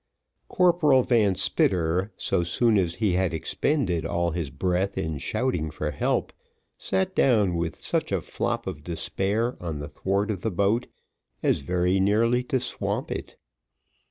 Corporal Van Spitter, so soon as he had expended all his breath in shouting for help, sat down with such a flop of despair on the thwart of the boat, as very nearly to swamp it.